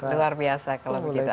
luar biasa kalau begitu